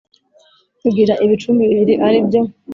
kigira ibicumbi bibiri aribyo